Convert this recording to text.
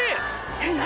えっ何？